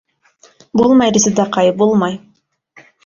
Булмай, Резедаҡай, булмай.